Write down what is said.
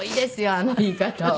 あの言い方は。